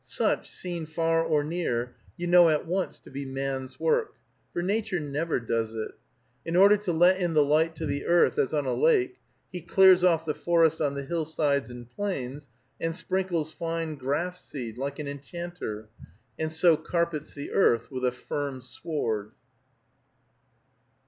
Such, seen far or near, you know at once to be man's work, for Nature never does it. In order to let in the light to the earth as on a lake, he clears off the forest on the hillsides and plains, and sprinkles fine grass seed, like an enchanter, and so carpets the earth with a firm sward.